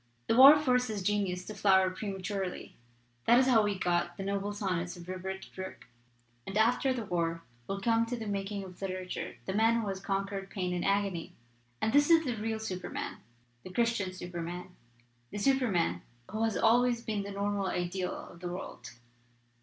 The war forces genius to flower prematurely that is how we got the noble sonnets of Rupert Brooke. "And after the war will come to the making of literature the man who has conquered pain and 298 HERESY OF SUPERM ANISM agony. And that is the real Superman, the Christian Superman, the Superman who has al ways been the normal ideal of the world.